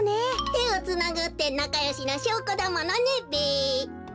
てをつなぐってなかよしのしょうこだものねべ。